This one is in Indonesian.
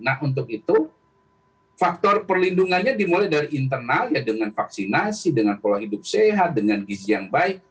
nah untuk itu faktor perlindungannya dimulai dari internal ya dengan vaksinasi dengan pola hidup sehat dengan gizi yang baik